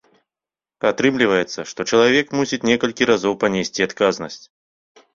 Атрымліваецца, што чалавек мусіць некалькі разоў панесці адказнасць.